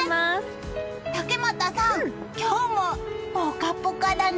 竹俣さん、今日もポカポカだね！